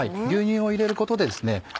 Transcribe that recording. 牛乳を入れることでですね